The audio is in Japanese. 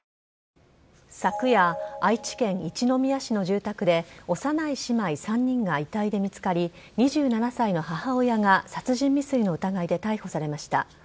昨夜、愛知県一宮市の住宅で幼い姉妹３人が遺体で見つかり２７歳の母親が殺人未遂の疑いで逮捕されました。